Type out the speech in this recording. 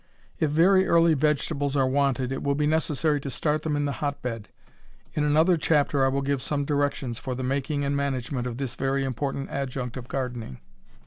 If very early vegetables are wanted it will be necessary to start them in the hotbed. In another chapter I will give some directions for the making and management of this very important adjunct of gardening.